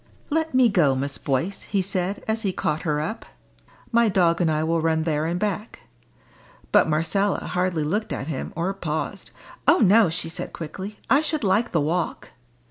"Let me go, Miss Boyce," he said, as he caught her up. "My dog and I will run there and back." But Marcella hardly looked at him, or paused. "Oh no!" she said quickly, "I should like the walk."